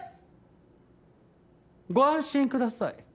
ご安心ください。